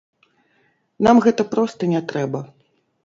Нам гэта проста не трэба.